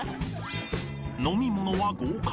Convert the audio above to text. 飲み物は合格。